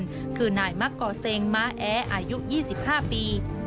นี่คือนายมกษงนมะแออยู่๒๕ปี